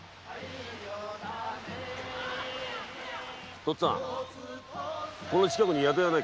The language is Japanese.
とっつぁんこの近くに宿屋は？